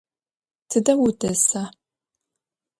Тыдэ удэса?